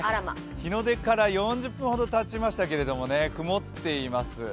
日の出から４０分ほどたちましたが曇っています。